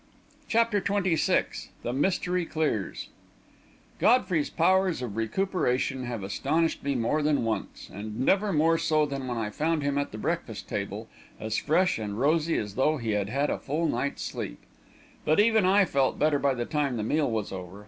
CHAPTER XXVI THE MYSTERY CLEARS Godfrey's powers of recuperation have astonished me more than once, and never more so than when I found him at the breakfast table, as fresh and rosy as though he had had a full night's sleep. But even I felt better by the time the meal was over.